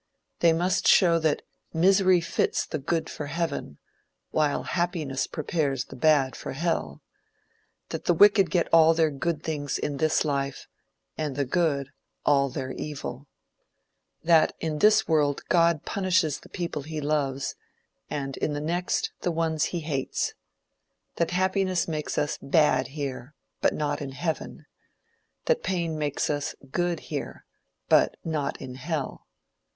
They must show that misery fits the good for heaven, while happiness prepares the bad for hell; that the wicked get all their good things in this life, and the good all their evil; that in this world God punishes the people he loves, and in the next, the ones he hates; that happiness makes us bad here, but not in heaven; that pain makes us good here, but not in hell.